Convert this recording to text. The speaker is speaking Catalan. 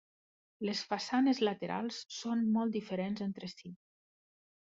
Les façanes laterals són molt diferents entre si.